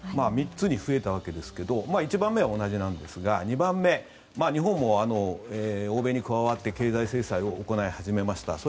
３つに増えたわけですが１番目は同じなんですが２番目、日本も欧米に加わって経済制裁を行い始めました。